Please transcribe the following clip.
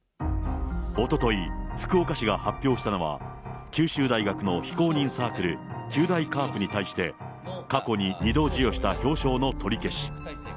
おととい、福岡市が発表したのは、九州大学の非公認サークル、九大ＣＡＲＰに対して、過去に２度授与した表彰の取り消し。